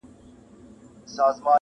چي پیدا به یو زمری پر پښتونخوا سي!!